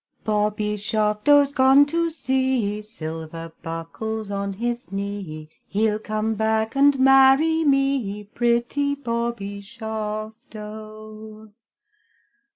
Bobby Shaftoe's gone to sea, Silver buckles on his knee; He'll come back and marry me, Pretty Bobby Shaftoe.